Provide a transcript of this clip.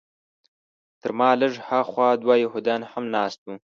تر ما لږ هاخوا دوه یهودان هم ناست وو.